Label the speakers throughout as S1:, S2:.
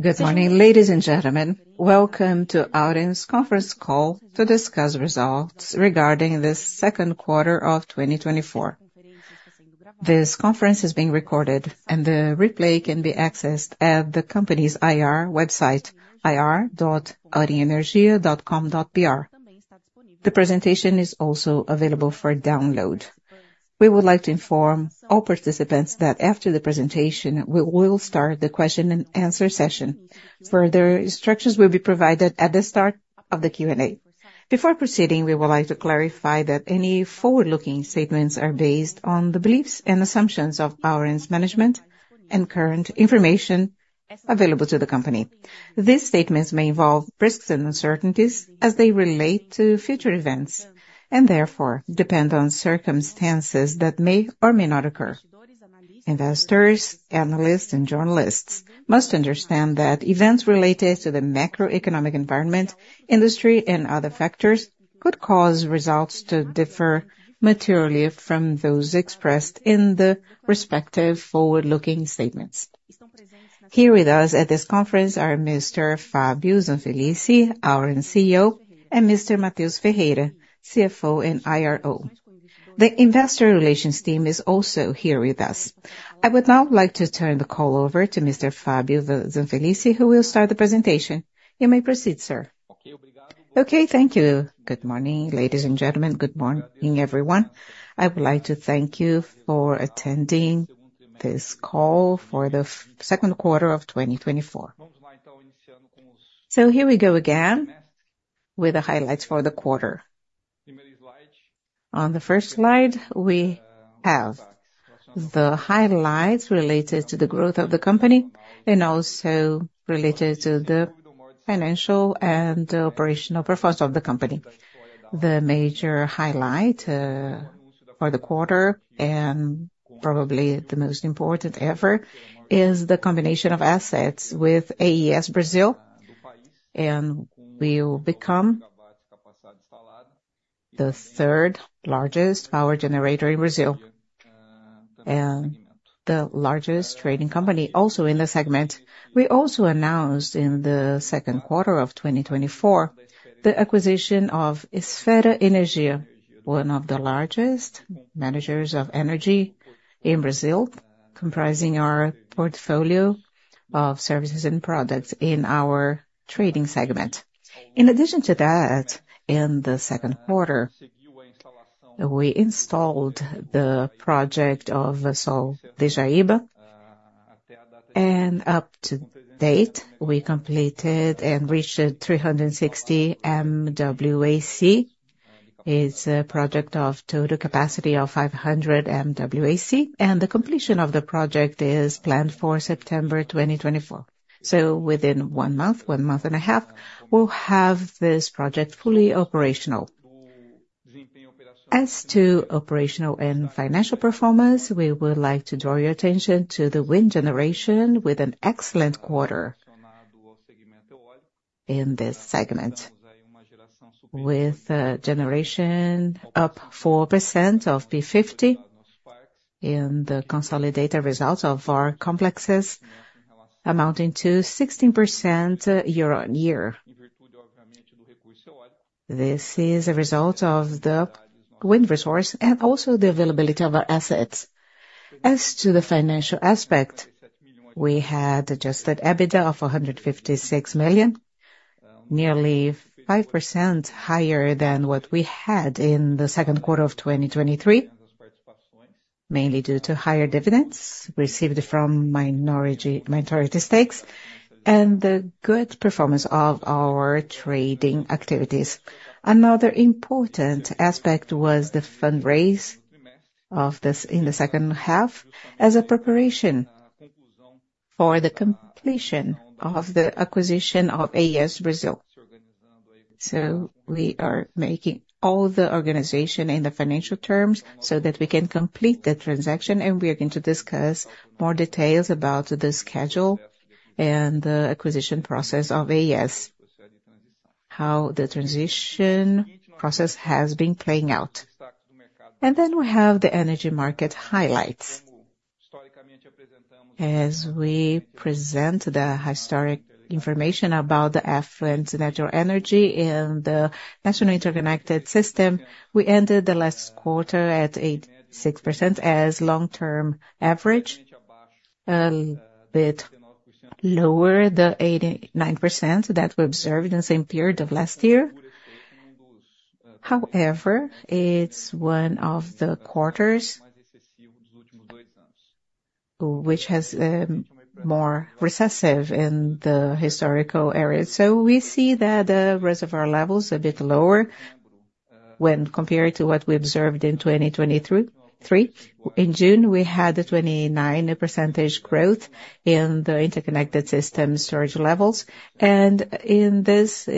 S1: Good morning, ladies and gentlemen. Welcome to Auren's conference call to discuss results regarding the second quarter of 2024. This conference is being recorded, and the replay can be accessed at the company's IR website, ir.aurenergia.com.br. The presentation is also available for download. We would like to inform all participants that after the presentation, we will start the question-and-answer session. Further instructions will be provided at the start of the Q&A. Before proceeding, we would like to clarify that any forward-looking statements are based on the beliefs and assumptions of Auren's management and current information available to the company. These statements may involve risks and uncertainties as they relate to future events and therefore depend on circumstances that may or may not occur. Investors, analysts, and journalists must understand that events related to the macroeconomic environment, industry, and other factors could cause results to differ materially from those expressed in the respective forward-looking statements. Here with us at this conference are Mr. Fábio Zanfelice, Auren CEO, and Mr. Mateus Ferreira, CFO and IRO. The investor relations team is also here with us. I would now like to turn the call over to Mr. Fábio Zanfelice, who will start the presentation. You may proceed, sir. Ok, obrigado. Okay, thank you. Good morning, ladies and gentlemen. Good morning, everyone. I would like to thank you for attending this call for the second quarter of 2024. So here we go again with the highlights for the quarter. On the first slide, we have the highlights related to the growth of the company and also related to the financial and operational performance of the company. The major highlight for the quarter, and probably the most important ever, is the combination of assets with AES Brasil, and we will become the third largest power generator in Brazil and the largest trading company also in the segment. We also announced in the second quarter of 2024 the acquisition of Esfera Energia, one of the largest managers of energy in Brazil, comprising our portfolio of services and products in our trading segment. In addition to that, in the second quarter, we installed the project of Sol de Jaíba, and up to date, we completed and reached 360 MWAC. It's a project of total capacity of 500 MWAC, and the completion of the project is planned for September 2024. So within one month, one month and a half, we'll have this project fully operational. As to operational and financial performance, we would like to draw your attention to the wind generation with an excellent quarter in this segment, with a generation up 4% of P50 in the consolidated results of our complexes, amounting to 16% year-over-year. This is a result of the wind resource and also the availability of our assets. As to the financial aspect, we had adjusted EBITDA of 156 million, nearly 5% higher than what we had in the second quarter of 2023, mainly due to higher dividends received from minority stakes and the good performance of our trading activities. Another important aspect was the fundraise in the second half as a preparation for the completion of the acquisition of AES Brasil. So we are making all the organization in the financial terms so that we can complete the transaction, and we are going to discuss more details about the schedule and the acquisition process of AES Brasil, how the transition process has been playing out. Then we have the energy market highlights. As we present the historic information about the effluent's natural energy in the National Interconnected System, we ended the last quarter at 86% as long-term average, a bit lower than 89% that we observed in the same period of last year. However, it's one of the quarters which has been more recessive in the historical area. We see that the reservoir level is a bit lower when compared to what we observed in 2023. In June, we had a 29% growth in the interconnected system storage levels, and in this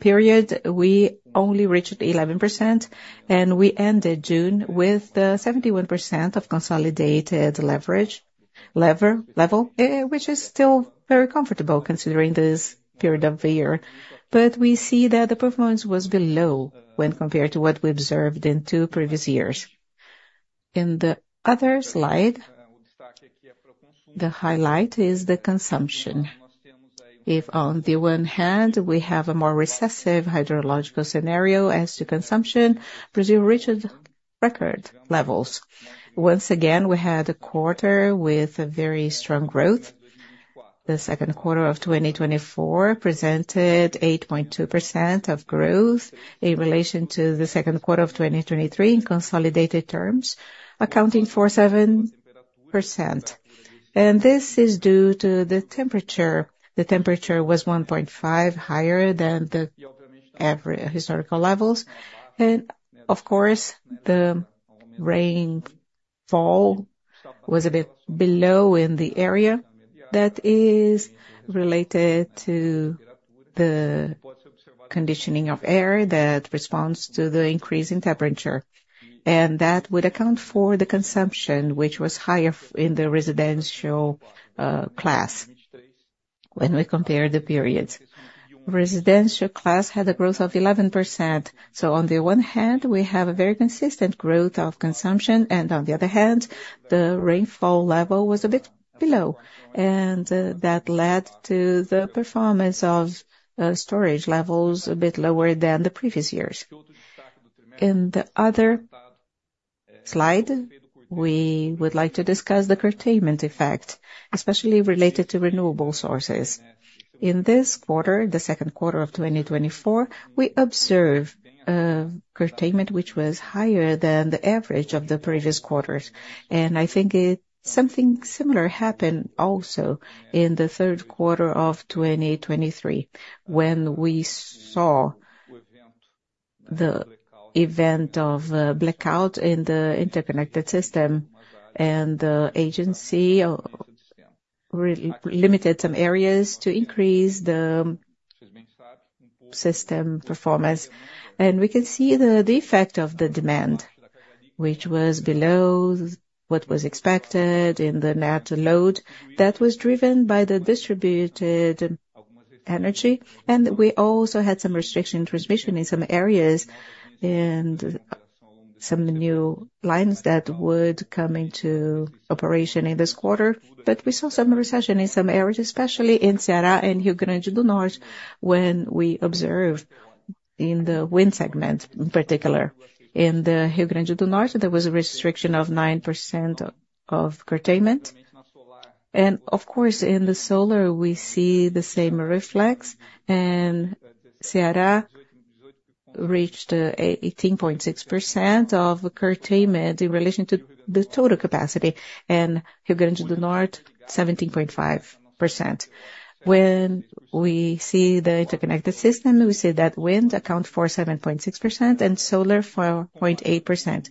S1: period, we only reached 11%, and we ended June with 71% of consolidated lever level, which is still very comfortable considering this period of the year. We see that the performance was below when compared to what we observed in two previous years. In the other slide, the highlight is the consumption. If on the one hand, we have a more recessive hydrological scenario as to consumption, Brazil reached record levels. Once again, we had a quarter with very strong growth. The second quarter of 2024 presented 8.2% of growth in relation to the second quarter of 2023 in consolidated terms, accounting for 7%. This is due to the temperature. The temperature was 1.5 higher than the historical levels. Of course, the rainfall was a bit below in the area. That is related to the air conditioning that responds to the increase in temperature, and that would account for the consumption, which was higher in the residential class when we compare the periods. Residential class had a growth of 11%. So on the one hand, we have a very consistent growth of consumption, and on the other hand, the rainfall level was a bit below, and that led to the performance of storage levels a bit lower than the previous years. In the other slide, we would like to discuss the curtailment effect, especially related to renewable sources. In this quarter, the second quarter of 2024, we observed a curtailment which was higher than the average of the previous quarters. And I think something similar happened also in the third quarter of 2023 when we saw the event of blackout in the interconnected system, and the agency limited some areas to increase the system performance. And we can see the effect of the demand, which was below what was expected in the net load that was driven by the distributed energy. We also had some restriction in transmission in some areas and some new lines that would come into operation in this quarter. We saw some restriction in some areas, especially in Ceará and Rio Grande do Norte, when we observed in the wind segment in particular. In the Rio Grande do Norte, there was a restriction of 9% of curtailment. And of course, in the solar, we see the same effect, and Ceará reached 18.6% of curtailment in relation to the total capacity, and Rio Grande do Norte, 17.5%. When we see the interconnected system, we see that wind accounts for 7.6% and solar for 0.8%.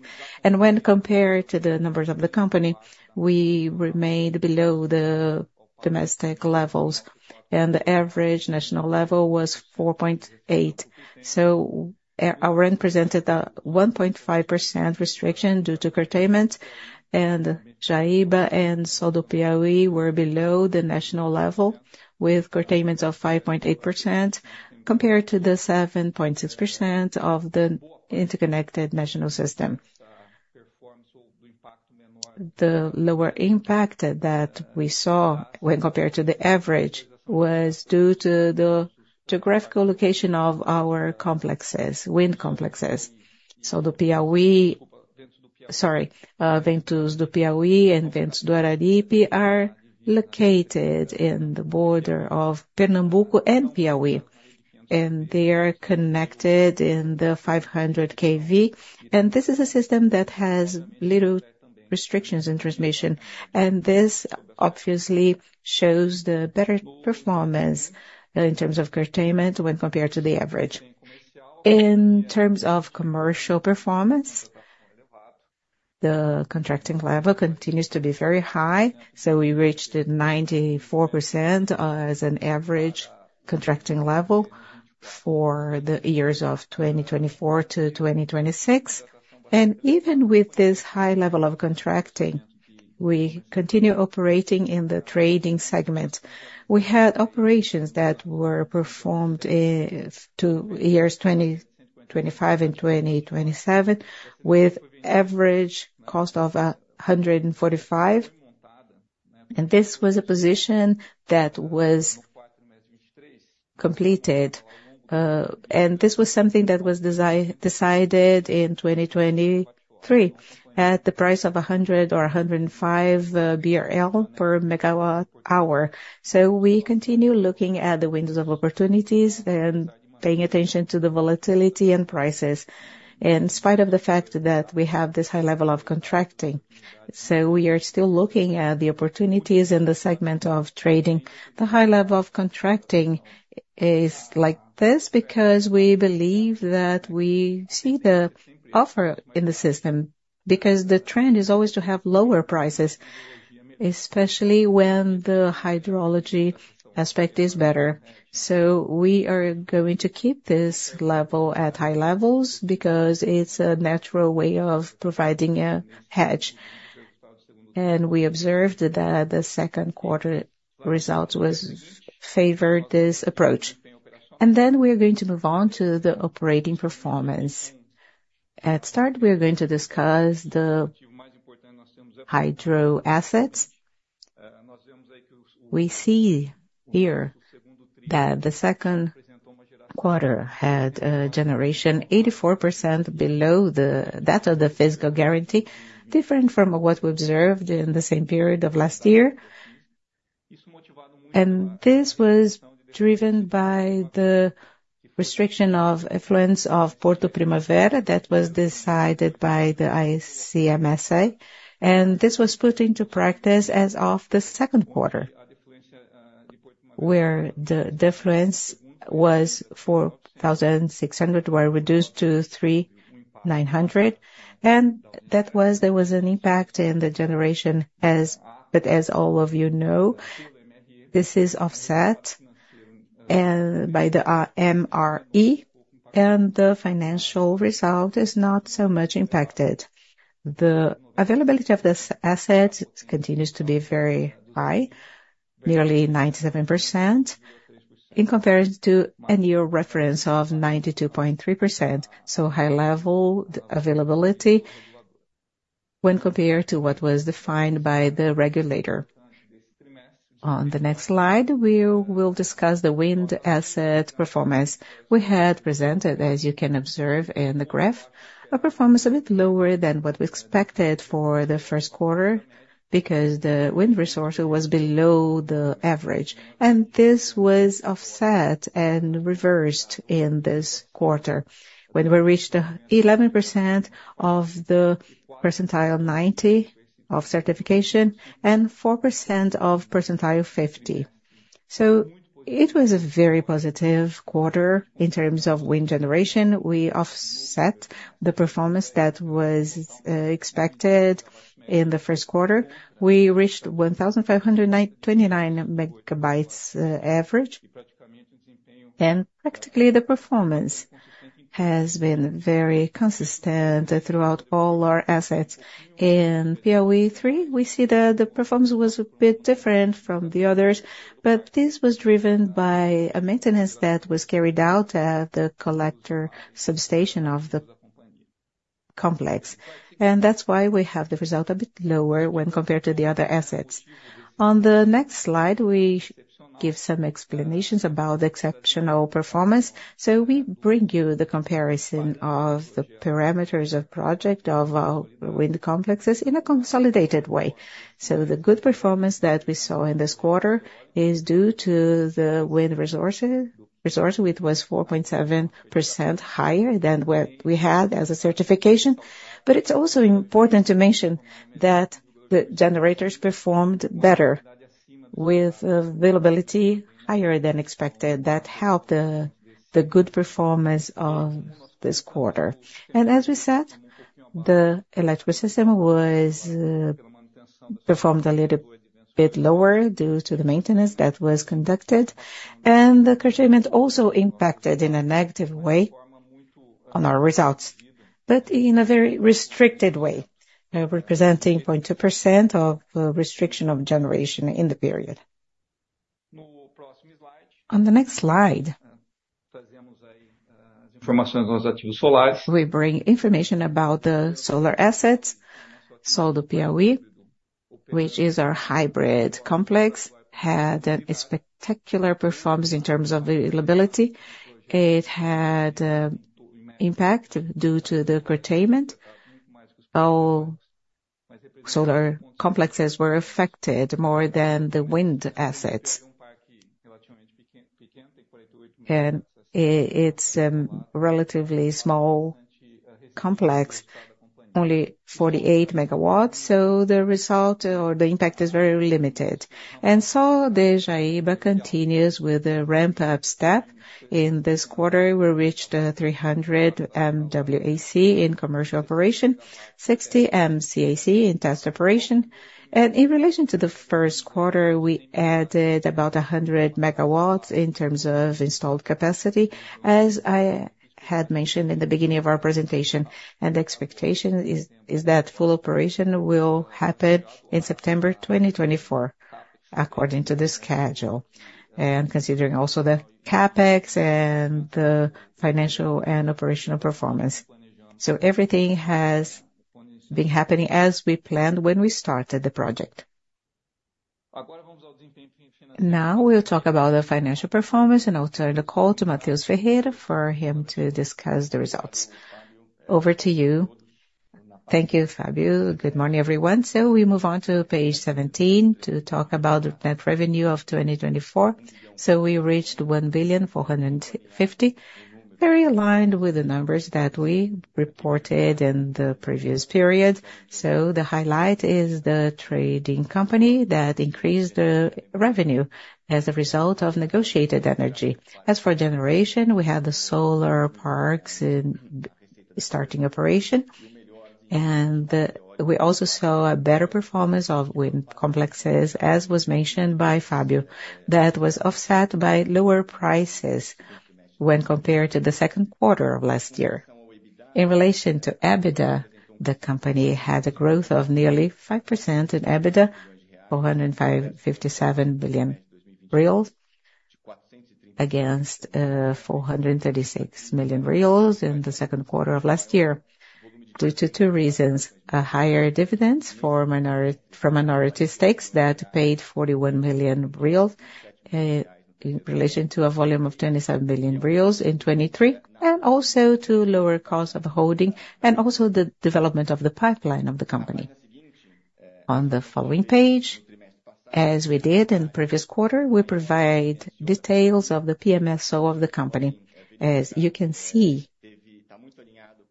S1: When compared to the numbers of the company, we remained below the domestic levels, and the average national level was 4.8%. Auren presented a 1.5% restriction due to curtailment, and Jaíba and Sol do Piauí were below the national level with curtailment of 5.8% compared to the 7.6% of the interconnected national system. The lower impact that we saw when compared to the average was due to the geographical location of our complexes, wind complexes. Sol do Piauí, sorry, Ventos do Piauí and Ventos do Araripe are located in the border of Pernambuco and Piauí, and they are connected in the 500 kV. And this is a system that has little restrictions in transmission, and this obviously shows the better performance in terms of curtailment when compared to the average. In terms of commercial performance, the contracting level continues to be very high, so we reached 94% as an average contracting level for the years of 2024 to 2026. And even with this high level of contracting, we continue operating in the trading segment. We had operations that were performed in the years 2025 and 2027 with average cost of 145, and this was a position that was completed, and this was something that was decided in 2023 at the price of 100 or 105 BRL per megawatt hour. So we continue looking at the windows of opportunities and paying attention to the volatility and prices, in spite of the fact that we have this high level of contracting. So we are still looking at the opportunities in the segment of trading. The high level of contracting is like this because we believe that we see the offer in the system, because the trend is always to have lower prices, especially when the hydrology aspect is better. So we are going to keep this level at high levels because it's a natural way of providing a hedge. We observed that the second quarter results favored this approach. Then we are going to move on to the operating performance. To start, we are going to discuss the hydro assets. We see here that the second quarter had a generation 84% below that of the physical guarantee, different from what we observed in the same period of last year. This was driven by the restriction of effluents of Porto Primavera that was decided by the ICMSA, and this was put into practice as of the second quarter, where the effluents was 4,600, were reduced to 3,900. That was an impact in the generation, but as all of you know, this is offset by the MRE, and the financial result is not so much impacted. The availability of this asset continues to be very high, nearly 97%, in comparison to a year reference of 92.3%. So high level availability when compared to what was defined by the regulator. On the next slide, we will discuss the wind asset performance. We had presented, as you can observe in the graph, a performance a bit lower than what we expected for the first quarter because the wind resource was below the average. This was offset and reversed in this quarter when we reached 11% of the percentile 90 of certification and 4% of percentile 50. So it was a very positive quarter in terms of wind generation. We offset the performance that was expected in the first quarter. We reached 1,529 MW average, and practically the performance has been very consistent throughout all our assets. In Piauí 3, we see that the performance was a bit different from the others, but this was driven by a maintenance that was carried out at the collector substation of the complex. And that's why we have the result a bit lower when compared to the other assets. On the next slide, we give some explanations about the exceptional performance. So we bring you the comparison of the parameters of project of our wind complexes in a consolidated way. So the good performance that we saw in this quarter is due to the wind resource, which was 4.7% higher than what we had as a certification. But it's also important to mention that the generators performed better with availability higher than expected. That helped the good performance of this quarter. As we said, the electric system was performed a little bit lower due to the maintenance that was conducted. The curtailment also impacted in a negative way on our results, but in a very restricted way, representing 0.2% of restriction of generation in the period. On the next slide, we bring information about the solar assets. Sol do Piauí, which is our hybrid complex, had a spectacular performance in terms of availability. It had impact due to the curtailment. All solar complexes were affected more than the wind assets. It's a relatively small complex, only 48 megawatts. So the result or the impact is very limited. Sol do Piauí continues with a ramp-up step. In this quarter, we reached 300 MWac in commercial operation, 60 MWac in test operation. In relation to the first quarter, we added about 100 MW in terms of installed capacity, as I had mentioned in the beginning of our presentation. The expectation is that full operation will happen in September 2024, according to the schedule, and considering also the CapEx and the financial and operational performance. Everything has been happening as we planned when we started the project. Now we'll talk about the financial performance, and I'll turn the call to Mateus Ferreira for him to discuss the results. Over to you. Thank you, Fabio. Good morning, everyone. We move on to page 17 to talk about the net revenue of 2024. We reached 1,450, very aligned with the numbers that we reported in the previous period. The highlight is the trading company that increased the revenue as a result of negotiated energy. As for generation, we had the solar parks in starting operation, and we also saw a better performance of wind complexes, as was mentioned by Fábio, that was offset by lower prices when compared to the second quarter of last year. In relation to EBITDA, the company had a growth of nearly 5% in EBITDA, 457 billion reais against 436 million reais in the second quarter of last year, due to two reasons: a higher dividends for minority stakes that paid 41 million reais in relation to a volume of 27 million reais in 2023, and also to lower cost of holding and also the development of the pipeline of the company. On the following page, as we did in the previous quarter, we provide details of the PMSO of the company. As you can see,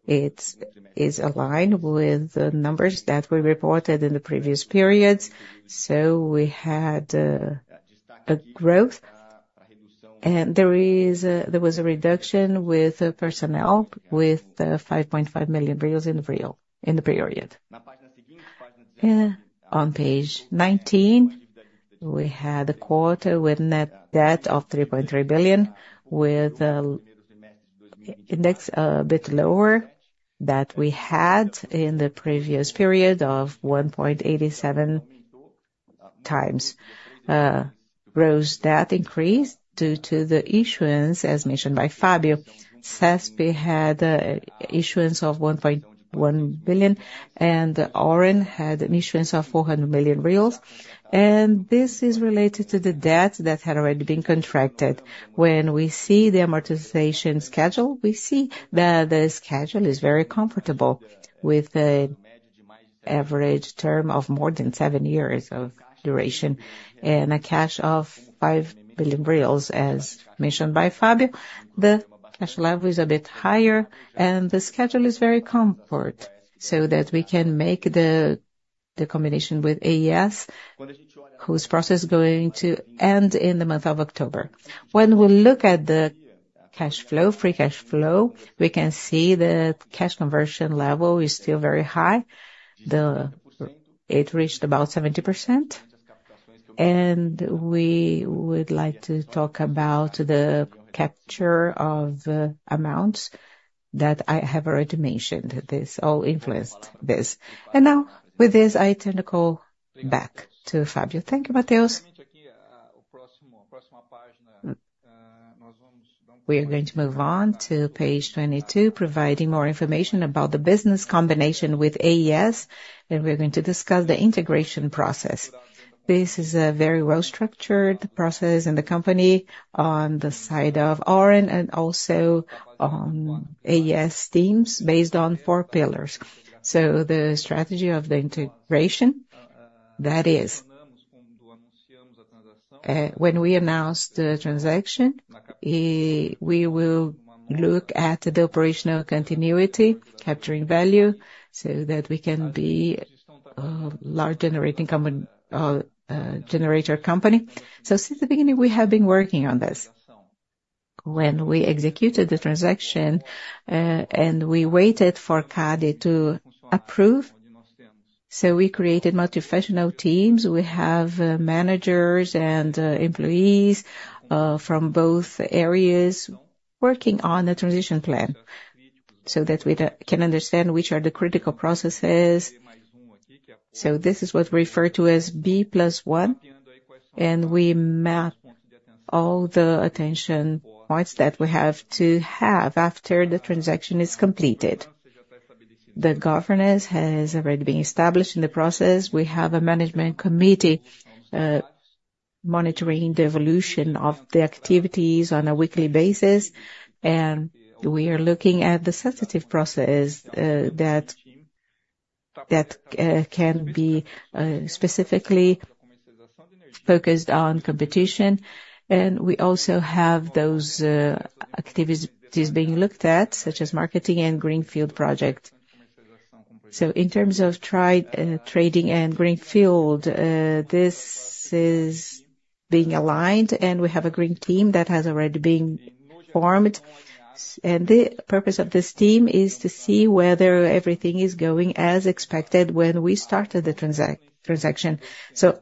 S1: it is aligned with the numbers that were reported in the previous periods. We had a growth, and there was a reduction with personnel with 5.5 million in the period. On page 19, we had a quarter with net debt of 3.3 billion, with an index a bit lower than we had in the previous period of 1.87 times. Gross debt increased due to the issuance, as mentioned by Fábio. CESP had an issuance of 1.1 billion, and Auren had an issuance of 400 million reais. This is related to the debt that had already been contracted. When we see the amortization schedule, we see that the schedule is very comfortable, with an average term of more than seven years of duration and a cash of 5 billion reais, as mentioned by Fábio. The cash level is a bit higher, and the schedule is very comfortable so that we can make the combination with AES, whose process is going to end in the month of October. When we look at the cash flow, free cash flow, we can see that cash conversion level is still very high. It reached about 70%. We would like to talk about the capture of amounts that I have already mentioned. This all influenced this. Now, with this, I turn the call back to Fabio. Thank you, Mateus. We are going to move on to page 22, providing more information about the business combination with AES, and we're going to discuss the integration process. This is a very well-structured process in the company on the side of Auren and also on AES teams based on four pillars. So the strategy of the integration, that is, when we announce the transaction, we will look at the operational continuity, capturing value so that we can be a large generator company. So since the beginning, we have been working on this. When we executed the transaction and we waited for CADE to approve, so we created multi-functional teams. We have managers and employees from both areas working on a transition plan so that we can understand which are the critical processes. So this is what we refer to as B plus one, and we map all the attention points that we have to have after the transaction is completed. The governance has already been established in the process. We have a management committee monitoring the evolution of the activities on a weekly basis, and we are looking at the sensitive process that can be specifically focused on competition. We also have those activities being looked at, such as marketing and greenfield projects. In terms of trading and greenfield, this is being aligned, and we have a green team that has already been formed. The purpose of this team is to see whether everything is going as expected when we started the transaction.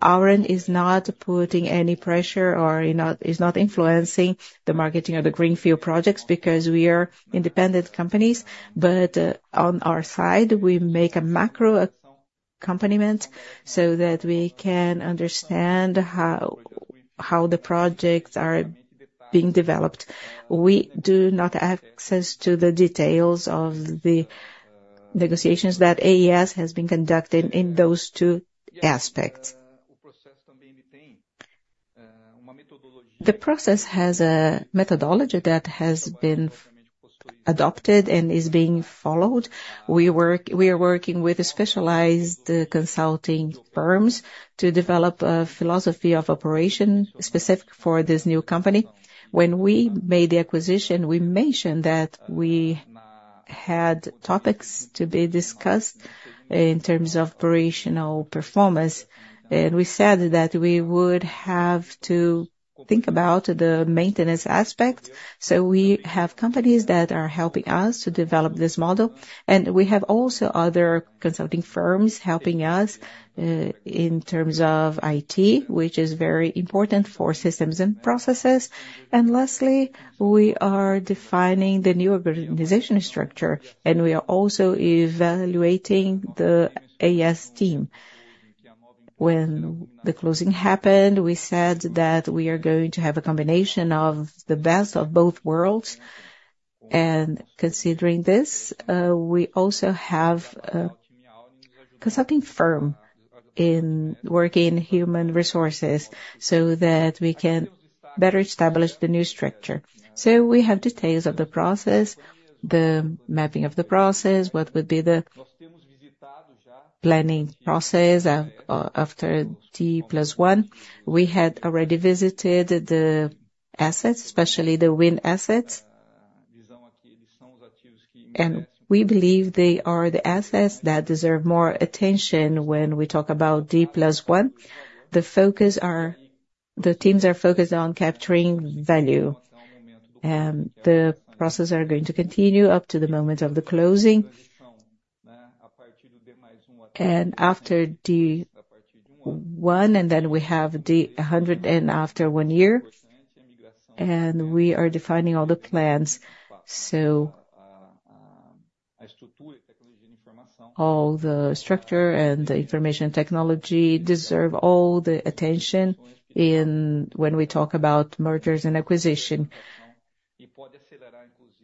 S1: Auren is not putting any pressure or is not influencing the marketing of the greenfield projects because we are independent companies. On our side, we make a macro accompaniment so that we can understand how the projects are being developed. We do not have access to the details of the negotiations that AES has been conducting in those two aspects. The process has a methodology that has been adopted and is being followed. We are working with specialized consulting firms to develop a philosophy of operation specific for this new company. When we made the acquisition, we mentioned that we had topics to be discussed in terms of operational performance. We said that we would have to think about the maintenance aspect. We have companies that are helping us to develop this model. We have also other consulting firms helping us in terms of IT, which is very important for systems and processes. Lastly, we are defining the new organization structure, and we are also evaluating the AES team. When the closing happened, we said that we are going to have a combination of the best of both worlds. Considering this, we also have a consulting firm working in human resources so that we can better establish the new structure. We have details of the process, the mapping of the process, what would be the planning process after D plus one. We had already visited the assets, especially the wind assets. We believe they are the assets that deserve more attention when we talk about D plus one. The teams are focused on capturing value. The processes are going to continue up to the moment of the closing. After D one, and then we have D 100, and after one year, and we are defining all the plans. All the structure and the information technology deserve all the attention when we talk about mergers and acquisitions,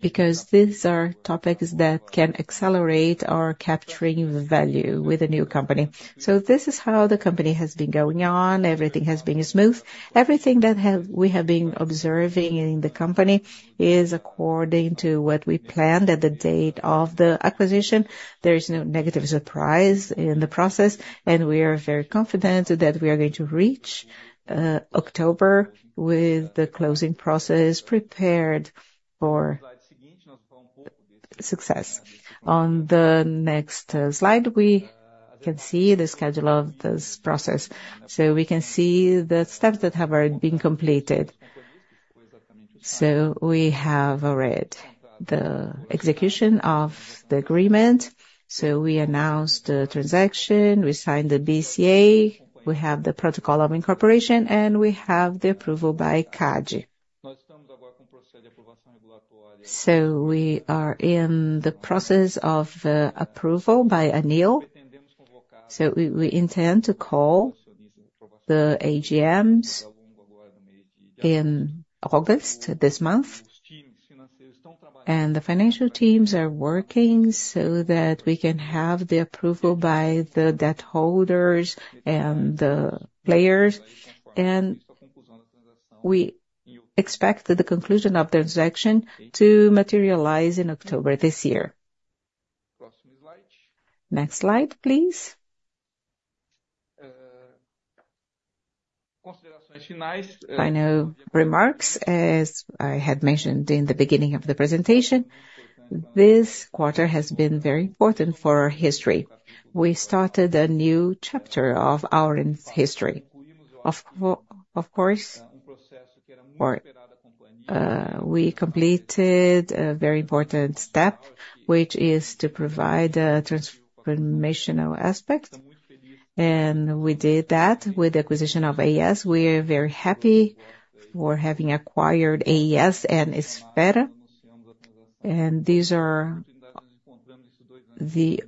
S1: because these are topics that can accelerate our capturing value with a new company. This is how the company has been going on. Everything has been smooth. Everything that we have been observing in the company is according to what we planned at the date of the acquisition. There is no negative surprise in the process, and we are very confident that we are going to reach October with the closing process prepared for success. On the next slide, we can see the schedule of this process. We can see the steps that have already been completed. We have already the execution of the agreement. We announced the transaction. We signed the BCA. We have the protocol of incorporation, and we have the approval by CADE. We are in the process of approval by ANEEL. We intend to call the AGMs in August this month. The financial teams are working so that we can have the approval by the debt holders and the players. We expect the conclusion of the transaction to materialize in October this year. Next slide, please. Final remarks, as I had mentioned in the beginning of the presentation. This quarter has been very important for our history. We started a new chapter of Auren's history. Of course, we completed a very important step, which is to provide a transformational aspect. And we did that with the acquisition of AES. We are very happy for having acquired AES and Esfera. And these are the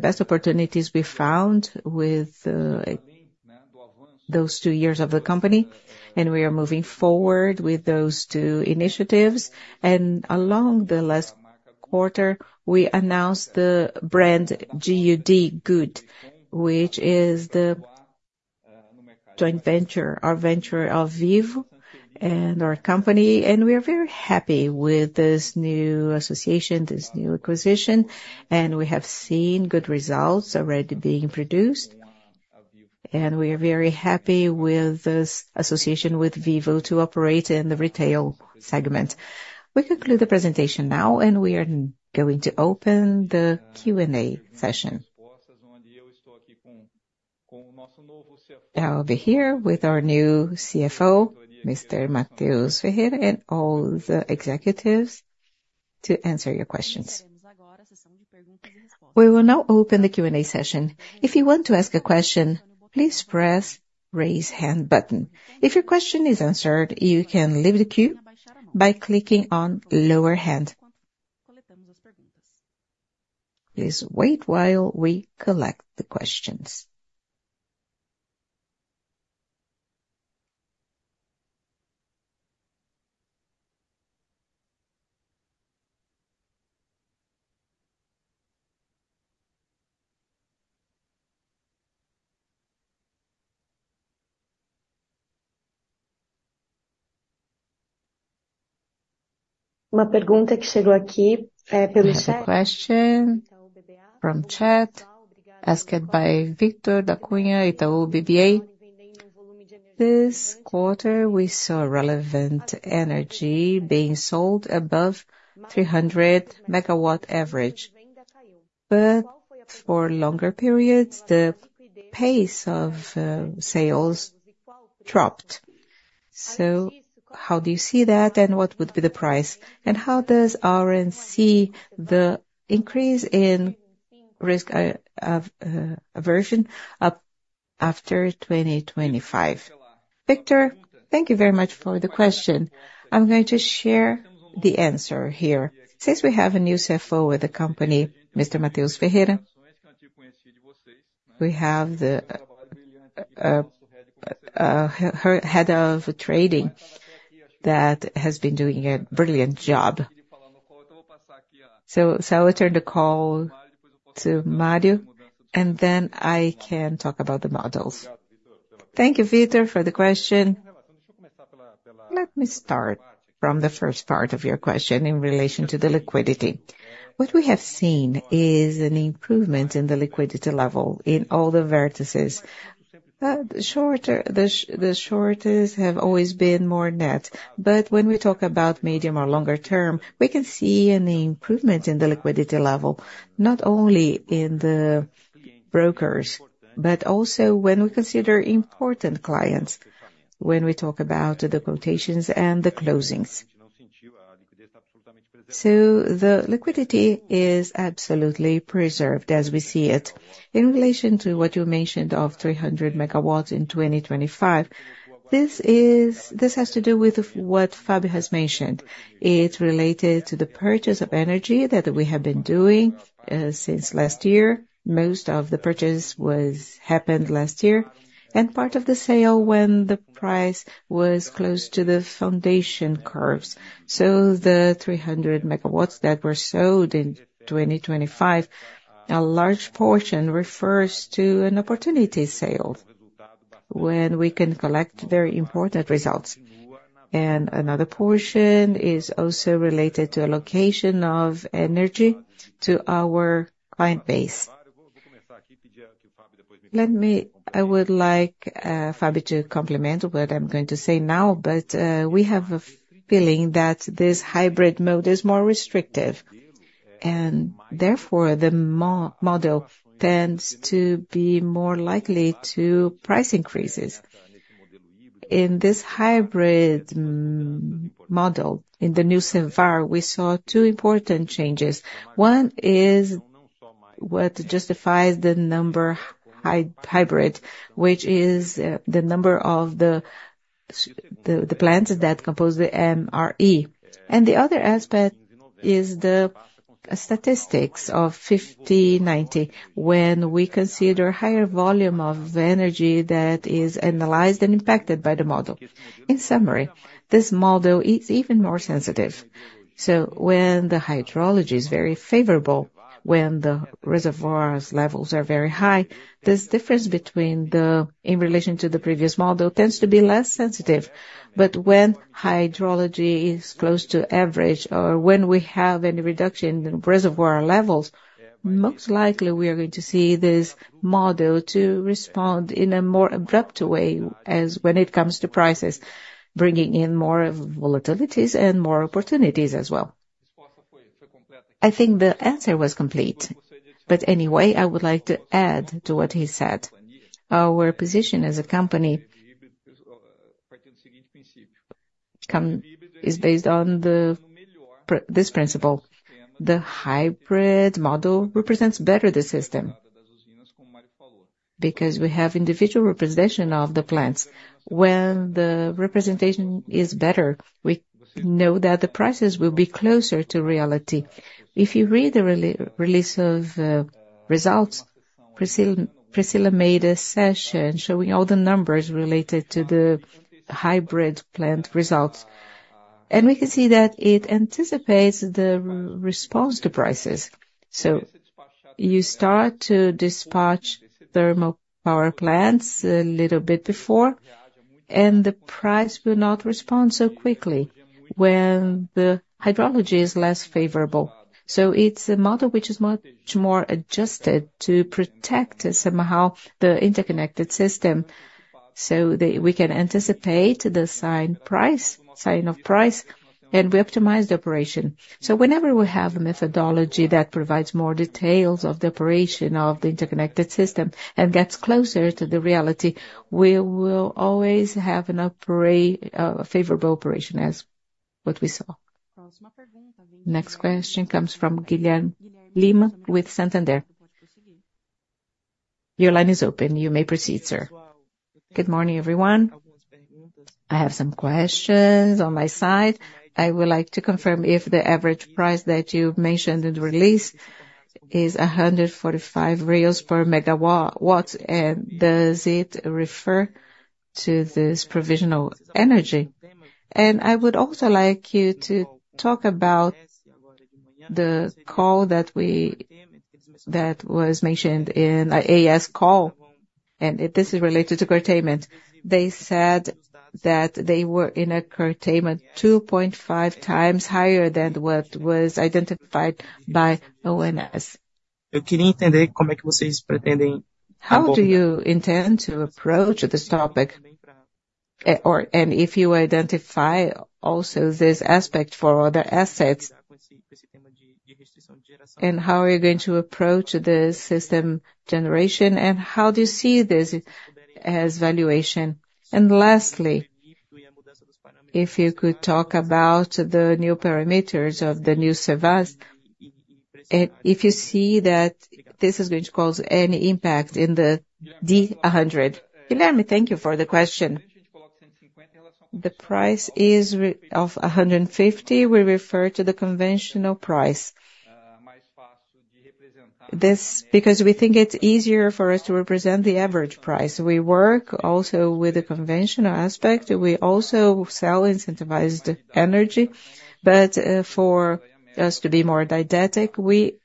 S1: best opportunities we found with those two years of the company. And we are moving forward with those two initiatives. And along the last quarter, we announced the brand GUD, which is the joint venture, our venture of Vivo and our company. And we are very happy with this new association, this new acquisition. And we have seen good results already being produced. And we are very happy with this association with Vivo to operate in the retail segment. We conclude the presentation now, and we are going to open the Q&A session. I'll be here with our new CFO, Mr. Mateus Ferreira, and all the executives to answer your questions. We will now open the Q&A session. If you want to ask a question, please press the raise hand button. If your question is answered, you can leave the queue by clicking on the lower hand. Please wait while we collect the questions. Uma pergunta que chegou aqui pelo chat. This question from chat asked by Victor Cunha, Itaú BBA. This quarter, we saw relevant energy being sold above 300 MW average. But for longer periods, the pace of sales dropped. So how do you see that, and what would be the price? And how does Auren see the increase in risk aversion after 2025? Victor, thank you very much for the question. I'm going to share the answer here. Since we have a new CFO with the company, Mr. Mateus Ferreira, we have the head of trading that has been doing a brilliant job. So I will turn the call to Mario, and then I can talk about the models. Thank you, Victor, for the question. Let me start from the first part of your question in relation to the liquidity. What we have seen is an improvement in the liquidity level in all the vertices. The shortest have always been more net. But when we talk about medium or longer term, we can see an improvement in the liquidity level, not only in the brokers, but also when we consider important clients, when we talk about the quotations and the closings. So the liquidity is absolutely preserved as we see it. In relation to what you mentioned of 300 MW in 2025, this has to do with what Fábio has mentioned. It's related to the purchase of energy that we have been doing since last year. Most of the purchase happened last year, and part of the sale when the price was close to the foundation curves. So the 300 MW that were sold in 2025, a large portion refers to an opportunity sale when we can collect very important results. And another portion is also related to a location of energy to our client base. Let me. I would like Fábio to complement what I'm going to say now, but we have a feeling that this hybrid mode is more restrictive, and therefore the model tends to be more likely to price increases. In this hybrid model, in the new Newave, we saw two important changes. One is what justifies the number hybrid, which is the number of the plants that compose the MRE. And the other aspect is the statistics of P50 P90 when we consider a higher volume of energy that is analyzed and impacted by the model. In summary, this model is even more sensitive. So when the hydrology is very favorable, when the reservoir levels are very high, this difference between the in relation to the previous model tends to be less sensitive. But when hydrology is close to average, or when we have any reduction in reservoir levels, most likely we are going to see this model respond in a more abrupt way as when it comes to prices, bringing in more volatilities and more opportunities as well. I think the answer was complete. But anyway, I would like to add to what he said. Our position as a company is based on this principle. The hybrid model represents better the system because we have individual representation of the plants. When the representation is better, we know that the prices will be closer to reality. If you read the release of results, Priscilla made a session showing all the numbers related to the hybrid plant results. We can see that it anticipates the response to prices. You start to dispatch thermal power plants a little bit before, and the price will not respond so quickly when the hydrology is less favorable. It's a model which is much more adjusted to protect somehow the interconnected system. We can anticipate the sign of price, and we optimize the operation. So whenever we have a methodology that provides more details of the operation of the interconnected system and gets closer to the reality, we will always have a favorable operation as what we saw. Next question comes from Guilherme Lima with Santander. Your line is open. You may proceed, sir. Good morning, everyone. I have some questions on my side. I would like to confirm if the average price that you mentioned in the release is 145 per megawatt, and does it refer to this provisional energy? And I would also like you to talk about the call that was mentioned in the AES call, and this is related to curtailment. They said that they were in a curtailment 2.5 times higher than what was identified by ONS. How do you intend to approach this topic? And if you identify also this aspect for other assets, and how are you going to approach the system generation, and how do you see this as valuation? And lastly, if you could talk about the new parameters of the new CVaR, and if you see that this is going to cause any impact in the D100. Guilherme, thank you for the question. The price is 150. We refer to the conventional price because we think it's easier for us to represent the average price. We work also with the conventional aspect. We also sell incentivized energy, but for us to be more didactic, we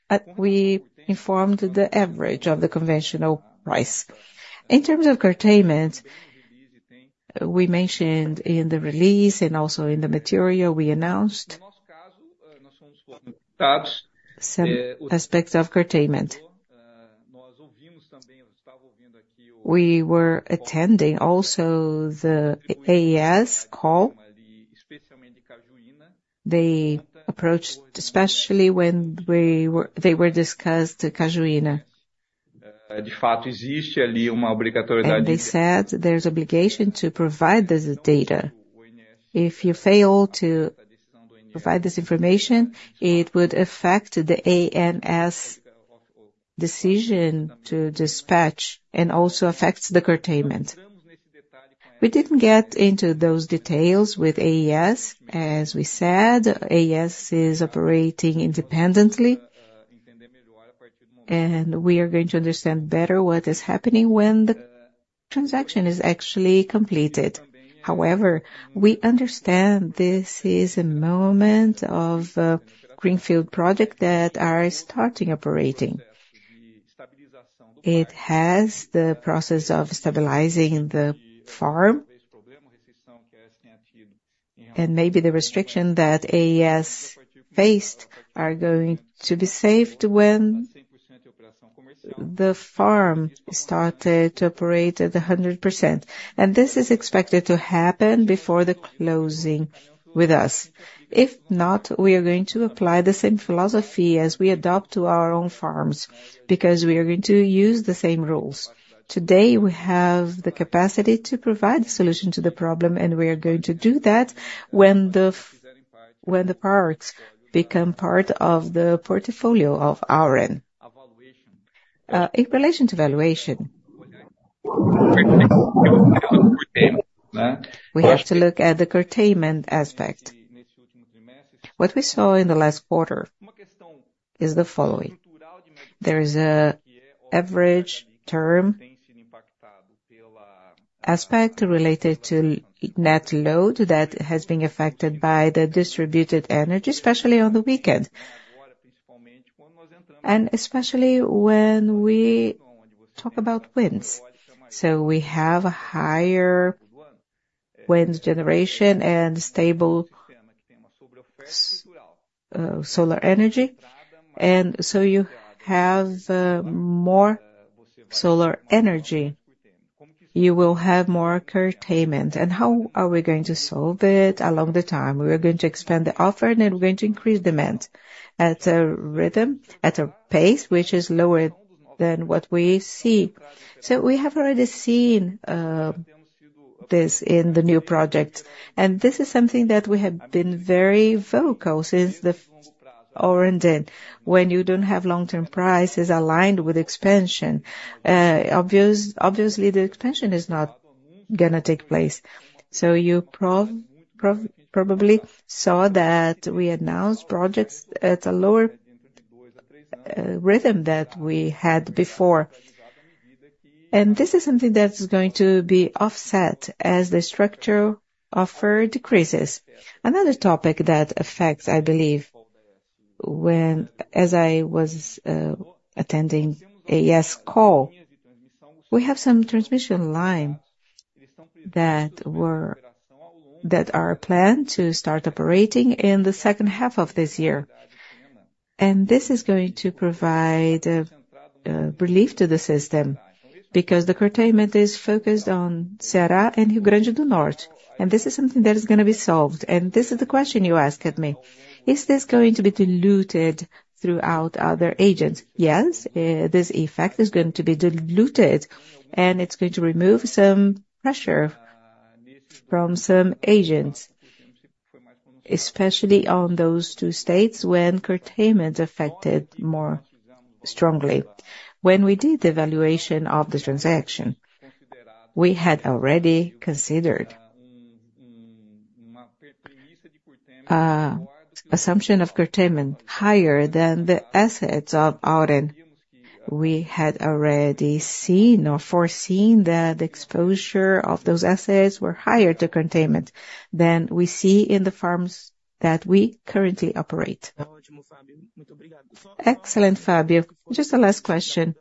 S1: informed the average of the conventional price. In terms of curtailment, we mentioned in the release and also in the material, we announced some aspects of curtailment. We were attending also the AES call. They approached especially when they were discussed the Cajuína. They said there's obligation to provide this data. If you fail to provide this information, it would affect the ONS decision to dispatch and also affects the curtailment. We didn't get into those details with AES. As we said, AES is operating independently, and we are going to understand better what is happening when the transaction is actually completed. However, we understand this is a moment of a greenfield project that is starting operating. It has the process of stabilizing the farm, and maybe the restriction that AES faced is going to be saved when the farm started to operate at 100%. And this is expected to happen before the closing with us. If not, we are going to apply the same philosophy as we adopt to our own farms because we are going to use the same rules. Today, we have the capacity to provide the solution to the problem, and we are going to do that when the parks become part of the portfolio of Auren. In relation to valuation, we have to look at the curtailment aspect. What we saw in the last quarter is the following. There is an average term aspect related to net load that has been affected by the distributed energy, especially on the weekend, and especially when we talk about winds. So we have a higher wind generation and stable solar energy. And so you have more solar energy. You will have more curtailment. And how are we going to solve it along the time? We are going to expand the offer, and we're going to increase demand at a rhythm, at a pace which is lower than what we see. So we have already seen this in the new project. This is something that we have been very vocal since the Auren Den, when you don't have long-term prices aligned with expansion. Obviously, the expansion is not going to take place. So you probably saw that we announced projects at a lower rhythm than we had before. And this is something that's going to be offset as the structure offer decreases. Another topic that affects, I believe, when I was attending AES call, we have some transmission lines that are planned to start operating in the second half of this year. And this is going to provide relief to the system because the curtailment is focused on Ceará and Rio Grande do Norte. And this is something that is going to be solved. And this is the question you asked me. Is this going to be diluted throughout other agents? Yes, this effect is going to be diluted, and it's going to remove some pressure from some agents, especially on those two states when curtailment affected more strongly. When we did the valuation of the transaction, we had already considered assumption of curtailment higher than the assets of Auren. We had already seen or foreseen that the exposure of those assets was higher to curtailment than we see in the farms that we currently operate. Excellent, Fabio. Just a last question.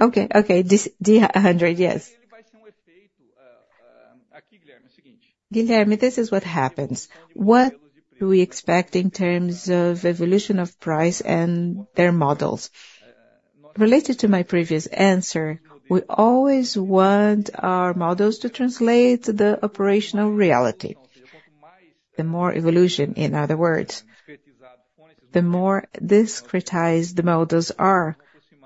S1: Okay, okay. D100, yes. Guilherme, this is what happens. What do we expect in terms of evolution of price and their models? Related to my previous answer, we always want our models to translate the operational reality. The more evolution, in other words, the more discretized the models are,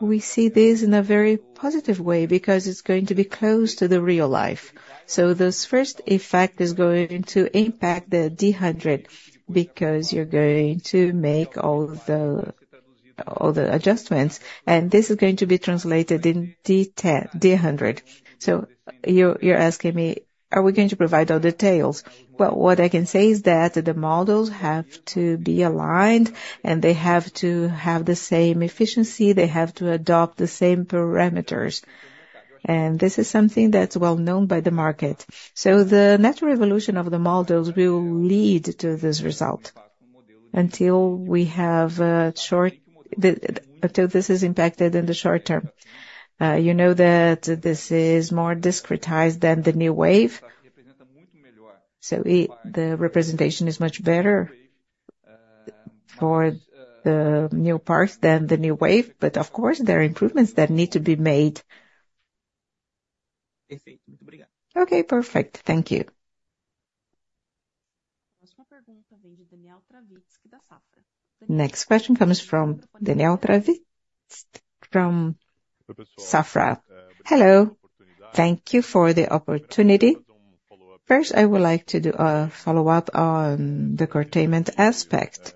S1: we see this in a very positive way because it's going to be close to the real life. So this first effect is going to impact the D100 because you're going to make all the adjustments, and this is going to be translated in D100. So you're asking me, are we going to provide all details? Well, what I can say is that the models have to be aligned, and they have to have the same efficiency. They have to adopt the same parameters. And this is something that's well known by the market. So the natural evolution of the models will lead to this result until we have a short, until this is impacted in the short term. You know that this is more discretized than the Newave. So the representation is much better for the new parts than the Newave. But of course, there are improvements that need to be made. Okay, perfect. Thank you. Next question comes from Daniel Travitzky from Banco Safra. Hello. Thank you for the opportunity. First, I would like to do a follow-up on the curtailment aspect.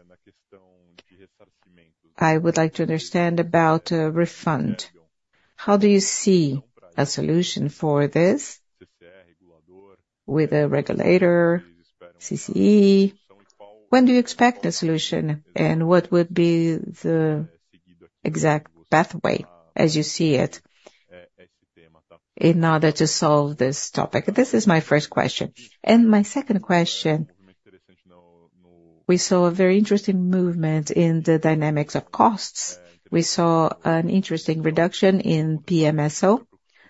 S1: I would like to understand about a refund. How do you see a solution for this with a regulator, CCE? When do you expect a solution, and what would be the exact pathway as you see it in order to solve this topic? This is my first question. And my second question, we saw a very interesting movement in the dynamics of costs. We saw an interesting reduction in PMSO.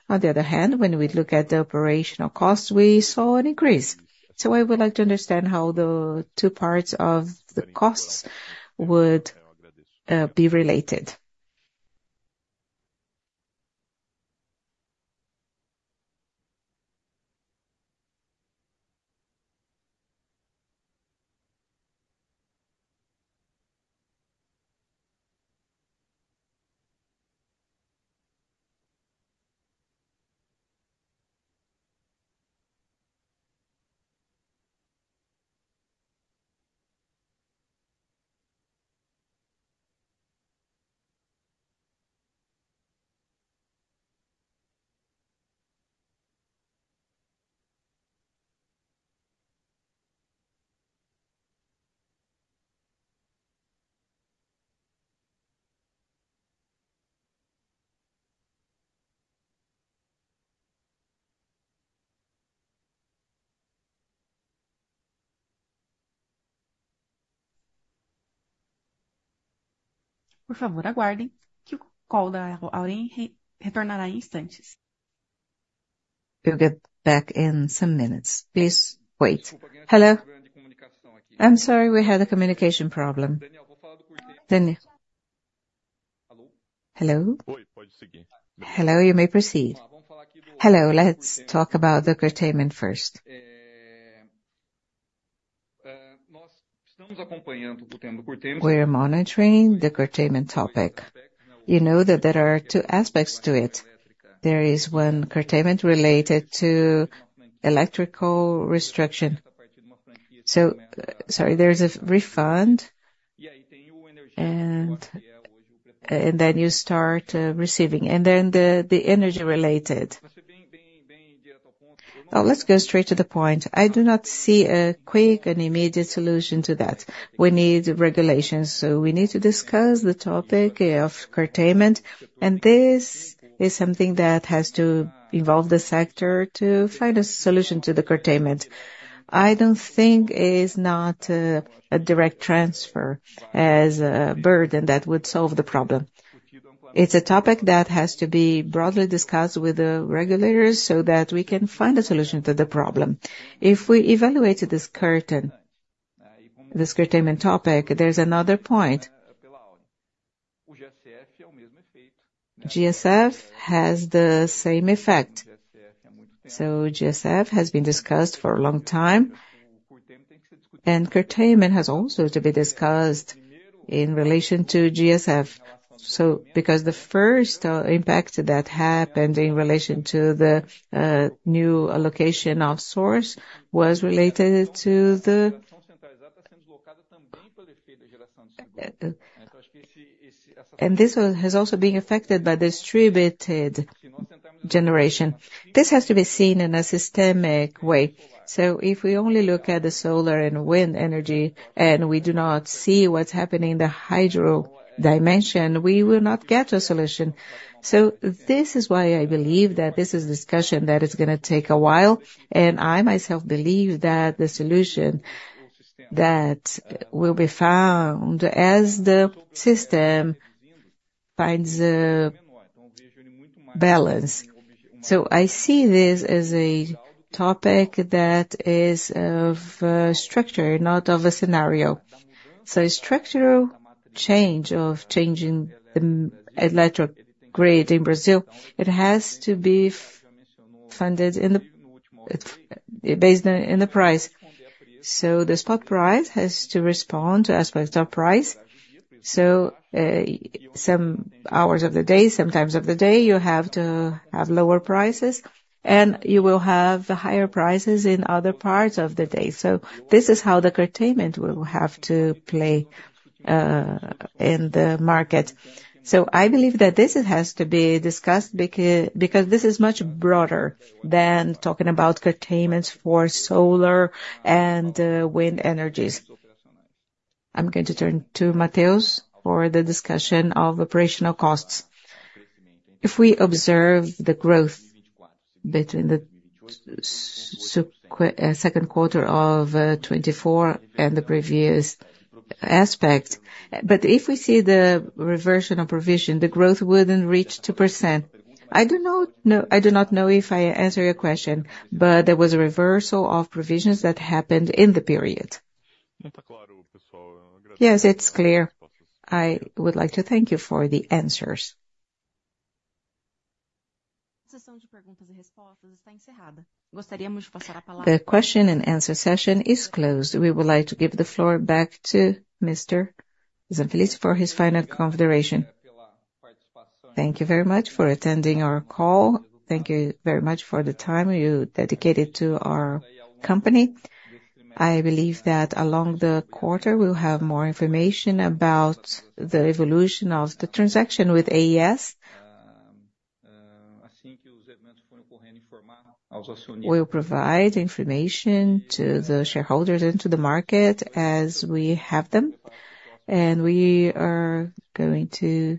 S1: On the other hand, when we look at the operational costs, we saw an increase. So I would like to understand how the two parts of the costs would be related. Por favor, aguardem que o call da Auren retornará em instantes. We'll get back in some minutes. Please wait. Hello. I'm sorry, we had a communication problem. Daniel, hello. Hello, you may proceed. Hello, let's talk about the curtailment first. We are monitoring the curtailment topic. You know that there are two aspects to it. There is one curtailment related to electrical restriction. So sorry, there's a refund, and then you start receiving, and then the energy-related. Let's go straight to the point. I do not see a quick and immediate solution to that. We need regulations. So we need to discuss the topic of curtailment, and this is something that has to involve the sector to find a solution to the curtailment. I don't think it is not a direct transfer as a burden that would solve the problem. It's a topic that has to be broadly discussed with the regulators so that we can find a solution to the problem. If we evaluate this curtailment topic, there's another point. GSF has the same effect. So GSF has been discussed for a long time, and curtailment has also to be discussed in relation to GSF. So because the first impact that happened in relation to the new allocation of source was related to the, and this has also been affected by distributed generation. This has to be seen in a systemic way. So if we only look at the solar and wind energy, and we do not see what's happening in the hydro dimension, we will not get a solution. So this is why I believe that this is a discussion that is going to take a while, and I myself believe that the solution that will be found as the system finds a balance. So I see this as a topic that is of structure, not of a scenario. So, structural change of changing the electric grid in Brazil, it has to be funded based on the price. So the spot price has to respond to aspects of price. So some hours of the day, sometimes of the day, you have to have lower prices, and you will have higher prices in other parts of the day. So this is how the curtailment will have to play in the market. So I believe that this has to be discussed because this is much broader than talking about curtailments for solar and wind energies. I'm going to turn to Mateus for the discussion of operational costs. If we observe the growth between the second quarter of 2024 and the previous quarter, but if we see the reversion of provision, the growth wouldn't reach 2%. I do not know if I answered your question, but there was a reversal of provisions that happened in the period. Yes, it's clear. I would like to thank you for the answers. The question-and-answer session is closed. We would like to give the floor back to Mr. José Feliz for his final consideration. Thank you very much for attending our call. Thank you very much for the time you dedicated to our company. I believe that along the quarter, we'll have more information about the evolution of the transaction with AES. We'll provide information to the shareholders and to the market as we have them, and we are going to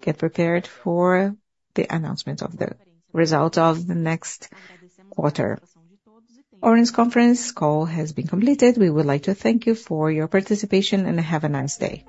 S1: get prepared for the announcement of the result of the next quarter. Auren's conference call has been completed. We would like to thank you for your participation, and have a nice day.